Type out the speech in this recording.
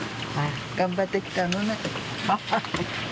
頑張って来たのね。